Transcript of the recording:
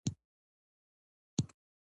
د چای ډېری ګټې د پولیفینول له امله دي.